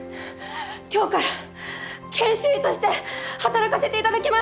今日から研修医として働かせて頂きます！